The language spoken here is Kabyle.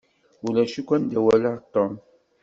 Ulac akk anda i walaɣ Tom.